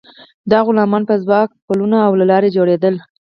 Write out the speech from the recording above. د غلامانو په ځواک پلونه او لارې جوړیدل.